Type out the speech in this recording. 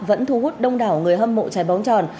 vẫn thu hút đông đảo người hâm mộ trái bóng tròn